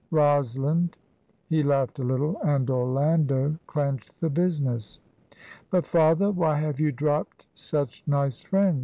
Rosalind" he laughed a little "and Orlando clenched the business." "But, father, why have you dropped such nice friends?"